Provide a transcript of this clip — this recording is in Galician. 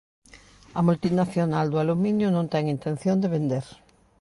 A multinacional do aluminio non ten intención de vender.